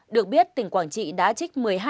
được biết tỉnh quảng trị đã trích